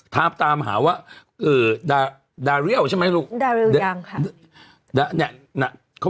ถามตามหาว่าดารียัง